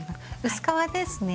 薄皮ですね。